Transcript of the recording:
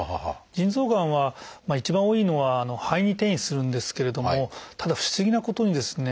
腎臓がんは一番多いのは肺に転移するんですけれどもただ不思議なことにですね